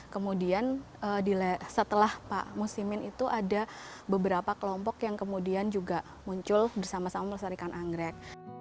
kemudian setelah pak musimin itu ada beberapa kelompok yang kemudian juga muncul bersama sama melestarikan anggrek